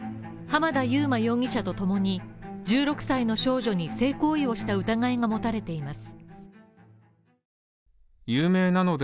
濱田祐摩容疑者とともに１６歳の少女に性行為をした疑いが持たれています。